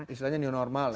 istilahnya new normal ya